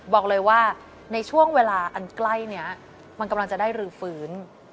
บอกเลยว่าในช่วงเวลาอันใกล้นี้มันกำลังจะได้รื้อฟื้น